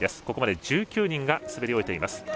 ここまで１９人が滑り終えています。